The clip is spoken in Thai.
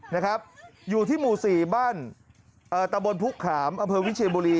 นะครับอยู่ที่หมู่สี่บ้านเอ่อตะบนพุกขามอำเภอวิเชียบุรี